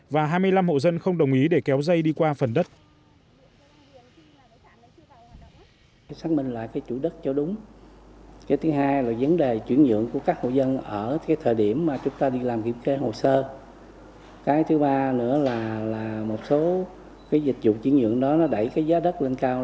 và hai mươi năm hộ dân không đồng ý để kéo dây đi qua phần đất